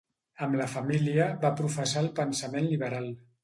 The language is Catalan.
Amb la família va professar el pensament liberal.